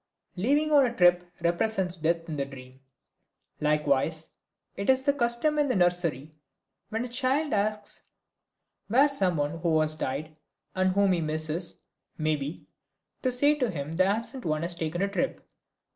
Leaving on a trip represents death in the dream. Likewise it is the custom in the nursery when a child asks where someone who has died, and whom he misses, may be, to say to him that the absent one has taken a trip.